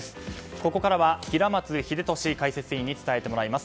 ここからは平松秀敏解説委員に伝えてもらいます。